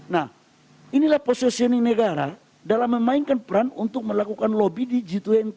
nah inilah posisioning negara dalam memainkan peran untuk melakukan lobby di g dua puluh